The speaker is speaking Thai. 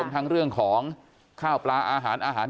รวมทั้งเรื่องของข้าวปลาอาหาร